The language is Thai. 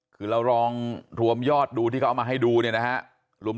คือเราลองรวมยอดดูที่เขาเอามาให้ดูเนี่ยนะฮะ